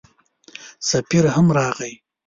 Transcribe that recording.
سفیر هم راغی.